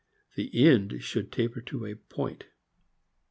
The end should taper to a point.